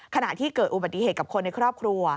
ขณะที่เกิดอุบัติเหตุกับคนในครอบครัว